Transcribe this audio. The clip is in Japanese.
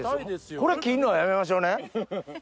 これ切んのはやめましょうね。